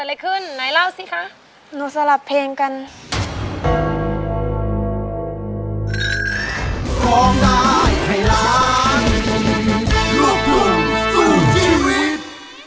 ลูกลูกสู้ชีวิต